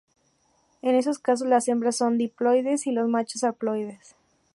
En esos casos, las hembras son diploides y los machos haploides.